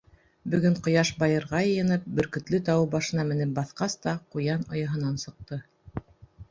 Бөгөн ҡояш байырға йыйынып, Бөркөтлө тауы башына менеп баҫҡас та, ҡуян ояһынан сыҡты.